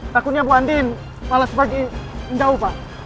takutnya bu andin malah sebagai jauh pak